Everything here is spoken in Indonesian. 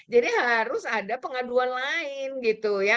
jadi harus ada pengaduan lain gitu ya